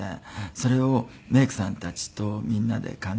それをメイクさんたちとみんなで考えて。